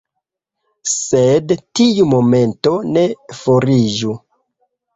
Sed tiu momento ne foriĝu.